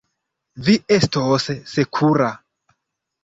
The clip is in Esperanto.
Vi estos sekura.